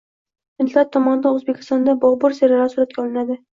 Hindlar tomonidan O‘zbekistonda “Bobur” seriali suratga olinadi